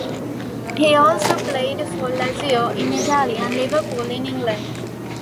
He also played for Lazio in Italy and Liverpool in England.